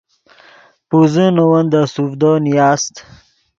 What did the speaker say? پوزے نے ون دے سوڤدو نیاست